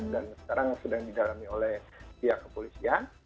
sekarang sedang didalami oleh pihak kepolisian